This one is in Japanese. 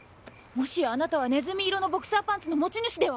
もしやあなたはねずみ色のボクサーパンツの持ち主では？